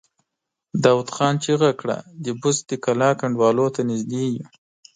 داوود خان چيغه کړه! د بست د کلا کنډوالو ته نږدې يو!